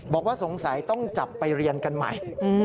บอกว่าสงสัยต้องจับไปเรียนกันใหม่